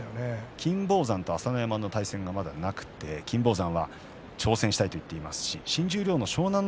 金峰山と朝乃山の対戦がまだなくて金峰山は挑戦したいと言っていますし新十両湘南乃